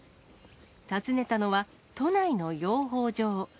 訪ねたのは、都内の養蜂場。